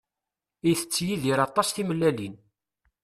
Itett Yidir aṭas timellalin.